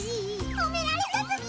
褒められたつぎ！